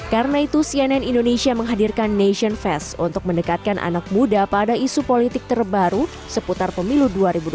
karena itu cnn indonesia menghadirkan nation fest untuk mendekatkan anak muda pada isu politik terbaru seputar pemilu dua ribu dua puluh empat